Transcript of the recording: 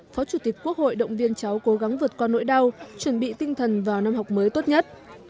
phó chủ tịch quốc hội động viên cháu cố gắng vượt qua nỗi đau chuẩn bị tinh thần vào năm học mới tốt nhất